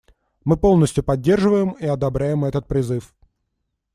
Мы полностью поддерживаем и одобряем этот призыв.